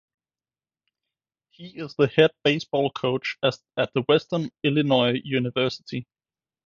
He is the head baseball coach at Western Illinois University.